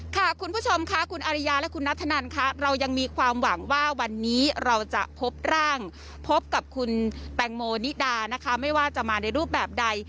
คุณผู้ชมค่ะคุณอาริยาและคุณนัทธนันค่ะเรายังมีความหวังว่าวันนี้เราจะพบร่างพบกับคุณแตงโมนิดานะคะไม่ว่าจะมาในรูปแบบใด